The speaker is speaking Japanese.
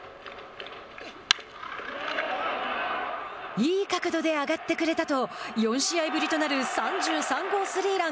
いい角度で上がってくれたと４試合ぶりとなる３３号スリーラン。